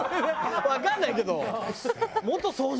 わかんないけど。